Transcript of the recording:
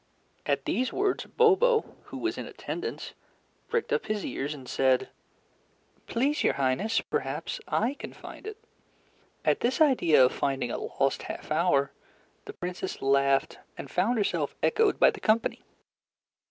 At these words, Bobo, who was in attendance, pricked up his ears and said, "Please, Your Highness, perhaps I can find it." At this idea of finding a lost half hour, the Princess laughed, and found herself echoed by the company.